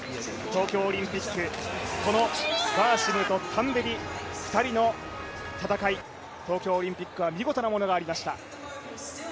東京オリンピック、このバーシムとタンベリ、２人の戦い、東京オリンピックは見事なものがありました。